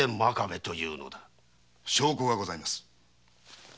証拠がございます。